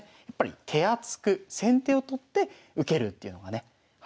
やっぱり手厚く先手を取って受けるっていうのがね。